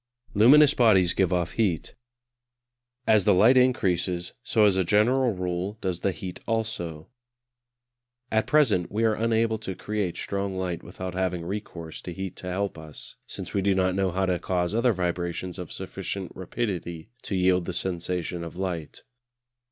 Luminous bodies give off heat. As the light increases, so as a general rule does the heat also. At present we are unable to create strong light without having recourse to heat to help us, since we do not know how to cause other vibrations of sufficient rapidity to yield the sensation of light.